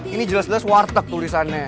ini jelas jelas warteg tulisannya